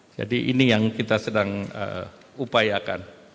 jadi ini yang kita sedang upayakan